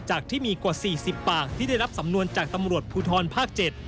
จากที่มีกว่า๔๐ปากที่ได้รับสำนวนจากตำรวจภูทรภาค๗